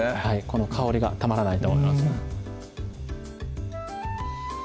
この香りがたまらないと思います